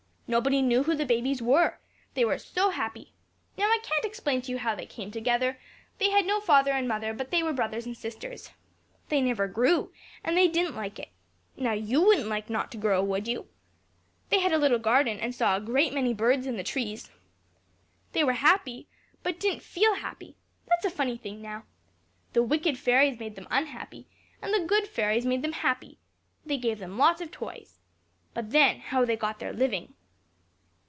Nobody knew who the babies were. They were so happy! Now, I can't explain it to you how they came together: they had no father and mother, but they were brothers and sisters. They never grew, and they didn't like it. Now, you wouldn't like not to grow, would you? They had a little garden, and saw a great many birds in the trees. They were happy, but didn't feel happy that's a funny thing now! The wicked fairies made them unhappy, and the good fairies made them happy; they gave them lots of toys. But then, how they got their living!